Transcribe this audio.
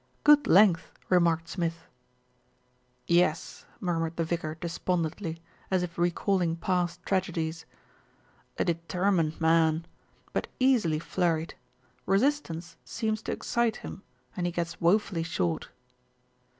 "Good length," remarked Smith. "Yes," murmured the vicar despondently, as if re calling past tragedies. "A determined man; but easily flurried. Resistance seems to excite him, and he gets woefully short."